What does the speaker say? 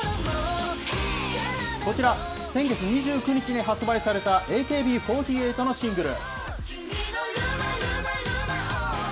こちら、先月２９日に発売された、ＡＫＢ４８のシングル。